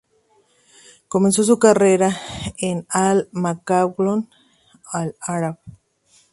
Comenzó su carrera en Al-Mokawloon Al-Arab.